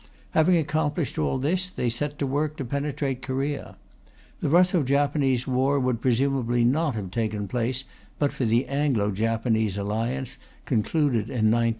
Having accomplished all this, they set to work to penetrate Korea. The Russo Japanese war would presumably not have taken place but for the Anglo Japanese Alliance, concluded in 1902.